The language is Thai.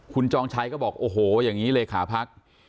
คุณจองชัยก็บอกโอ้โหอย่างนี้เลขาพัก